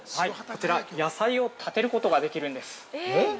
◆こちら、野菜を立てることができるんです。